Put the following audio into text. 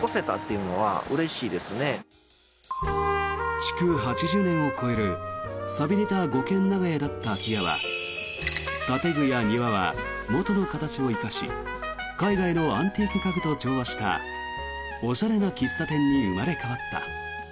築８０年を超える寂れた五軒長屋だった空き家は建具や庭は元の形を生かし海外のアンティーク家具と調和したおしゃれな喫茶店に生まれ変わった。